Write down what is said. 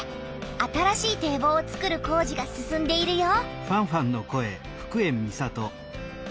新しい堤防をつくる工事が進んでいるよ。